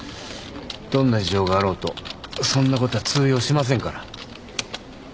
どんな事情があろうとそんなことは通用しませんから。